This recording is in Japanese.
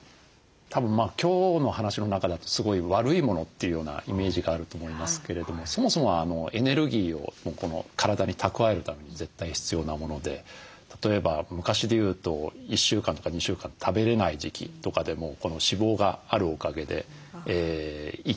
たぶん今日の話の中だとすごい悪いものというようなイメージがあると思いますけれどもそもそもはエネルギーを体に蓄えるために絶対必要なもので例えば昔でいうと１週間とか２週間食べれない時期とかでもこの脂肪があるおかげで生きながらえることができると。